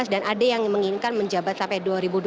dan ada yang menginginkan menjabat sampai dua ribu dua puluh dua